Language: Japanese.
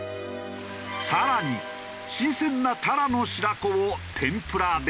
更に新鮮なたらの白子を天ぷらで。